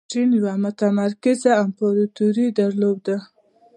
چین یوه متمرکزه امپراتوري درلوده.